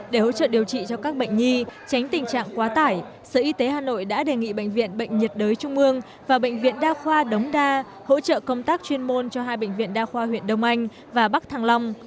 để hỗ trợ điều trị cho các bệnh nhi tránh tình trạng quá tải sở y tế hà nội đã đề nghị bệnh viện bệnh nhiệt đới trung ương và bệnh viện đa khoa đống đa hỗ trợ công tác chuyên môn cho hai bệnh viện đa khoa huyện đông anh và bắc thăng long